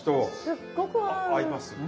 すっごく合う。合います。